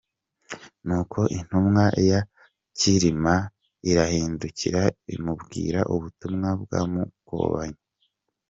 Nuko intumwa ya Cyilima, irahindukira imubwira ubutumwa bwa Mukobanya.